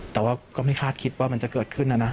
แต่ว่าก็ไม่คาดคิดว่ามันจะเกิดขึ้นนะนะ